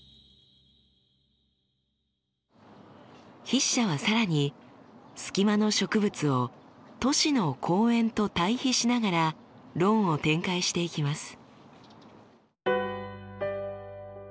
筆者は更にスキマの植物を都市の公園と対比しながら論を展開していきます。